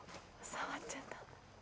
触っちゃった。